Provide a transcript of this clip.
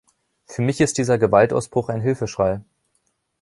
Für mich ist dieser Gewaltausbruch ein Hilfeschrei.